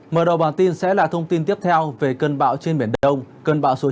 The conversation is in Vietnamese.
mở đầu bản tin sẽ là thông tin tiếp theo về cơn bão trên biển đông cơn bão số sáu